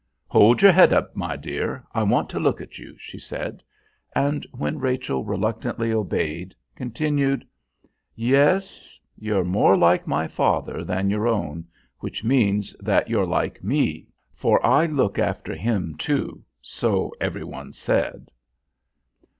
"Hold your head up, my dear, I want to look at you," she said, and when Rachel reluctantly obeyed, continued, "Yes, you're more like my father than your own, which means that you're like me, for I took after him, too, so every one said."